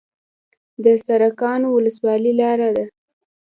د سرکانو ولسوالۍ لاره ده